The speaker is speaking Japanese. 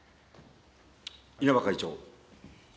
稲葉会長。